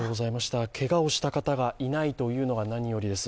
けがをしたという方がいないのが何よりです。